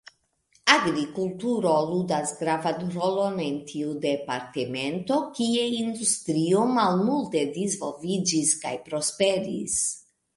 Agrikulturo ludas gravan rolon en tiu departemento, kie industrio malmulte disvolviĝis kaj prosperis.